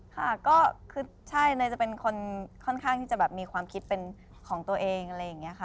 ค่ะก็คือใช่เนยจะเป็นคนค่อนข้างที่จะแบบมีความคิดเป็นของตัวเองอะไรอย่างนี้ค่ะ